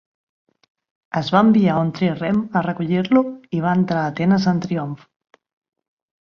Es va enviar un trirrem a recollir-lo i va entrar a Atenes en triomf.